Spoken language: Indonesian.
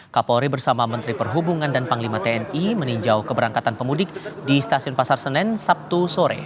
kapolri bersama menteri perhubungan dan panglima tni meninjau keberangkatan pemudik di stasiun pasar senen sabtu sore